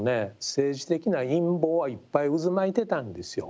政治的な陰謀はいっぱい渦巻いてたんですよ。